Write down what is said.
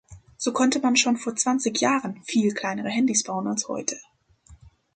So konnte man schon vor zwanzig Jahren viel kleinere Handys bauen als heute.